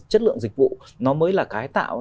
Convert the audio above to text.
chất lượng dịch vụ nó mới là cái tạo